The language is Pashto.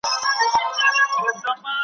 چي پر زړه یې د مرګ ستني څرخېدلې ,